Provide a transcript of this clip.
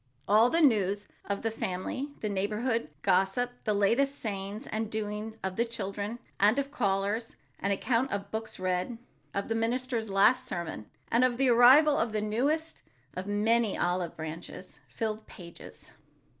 All the news of the family, the neighborhood gossip, the latest sayings and doings of the children and of callers, an account of the books read, of the minister's last sermon and of the arrival of the newest of many olive branches, filled pages.